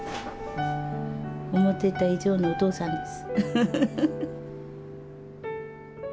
思ってた以上におとうさんです。